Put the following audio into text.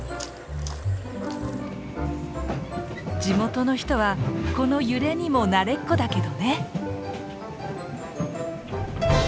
地元の人はこの揺れにも慣れっこだけどね！